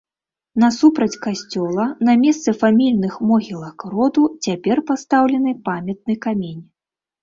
Насупраць касцёла на месцы фамільных могілак роду цяпер пастаўлены памятны камень.